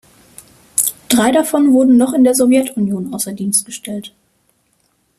Drei davon wurden noch in der Sowjetunion außer Dienst gestellt.